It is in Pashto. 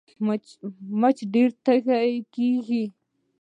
مچان ډېر ژر ډېرېږي